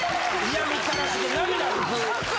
嫌味ったらしく涙拭く。